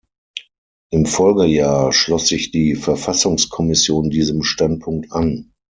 Im Folgejahr schloss sich die Verfassungskommission diesem Standpunkt an.